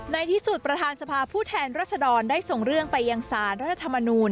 ในที่สุดประธานสภาพผู้แทนรัศดรได้ส่งเรื่องไปยังสารรัฐธรรมนูล